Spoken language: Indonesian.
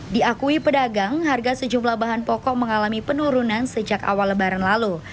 diakui pedagang harga sejumlah bahan pokok mengalami penurunan sejak awal lebaran lalu